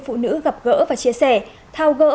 phụ nữ gặp gỡ và chia sẻ thao gỡ